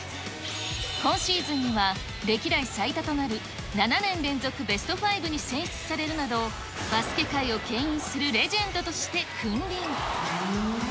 今シーズンには、歴代最多となる７年連続ベストファイブに選出されるなど、バスケ界をけん引するレジェンドとして君臨。